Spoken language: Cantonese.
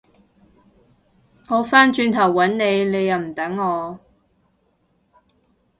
我返轉頭搵你，你又唔等我